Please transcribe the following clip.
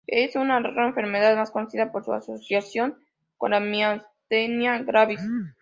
Es una rara enfermedad, más conocida por su asociación con la miastenia gravis.